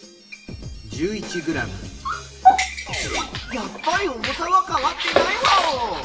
やっぱり重さはかわってないワオ！